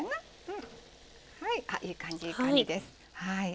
いい感じ、いい感じです。